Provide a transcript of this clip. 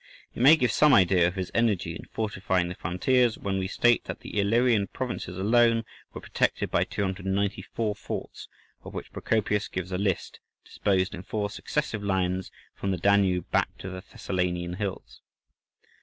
It may give some idea of his energy in fortifying the frontiers when we state that the Illyrian provinces alone were protected by 294 forts, of which Procopius gives a list, disposed in four successive lines from the Danube back to the Thessalian hills.